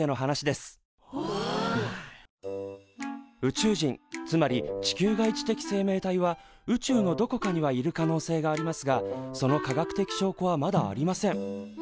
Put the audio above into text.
宇宙人つまり地球外知的生命体は宇宙のどこかにはいる可能性がありますがその科学的しょうこはまだありません。